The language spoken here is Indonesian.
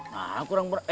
nah kurang beramal